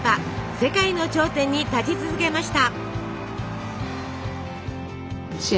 世界の頂点に立ち続けました。